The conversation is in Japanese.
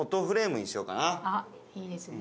あっいいですね。